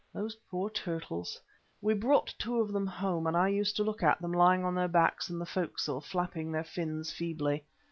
Those poor turtles. We brought two of them home, and I used to look at them lying on their backs in the forecastle flapping their fins feebly.